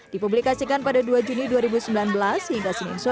dipublikasikan pada dua juni dua ribu sembilan belas hingga senin sore